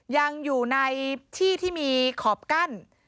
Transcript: ยังอยู่ในที่ที่มีขอบกั้น